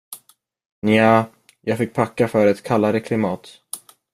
Nja, jag fick packa för ett kallare klimat.